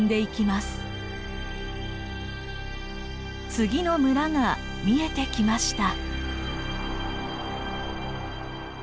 次の村が見えてきました。